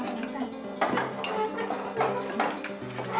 bu sita tunggu bu sita